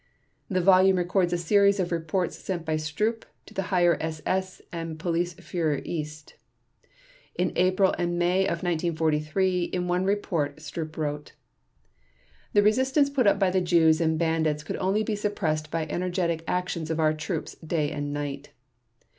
The volume records a series of reports sent by Stroop to the Higher SS and Police Führer East. In April and May of 1943, in one report, Stroop wrote: "The resistance put up by the Jews and bandits could only be suppressed by energetic actions of our troops day and night.